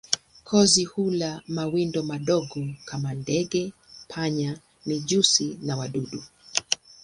Kozi hula mawindo madogo kama ndege, panya, mijusi na wadudu.